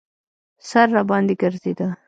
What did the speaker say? سر راباندې ګرځېده.